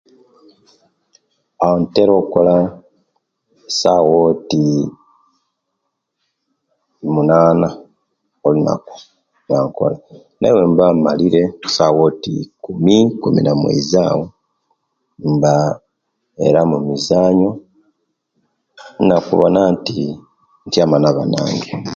Awo ntera okola sawa oti munana bulilunaku, newemba imalire sawa oti ikumi, ikumi na'moiza awo mba era mumizanyu, nakubona nti intiama nabanange.